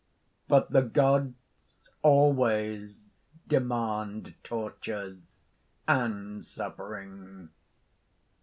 "But the gods always demand tortures and suffering.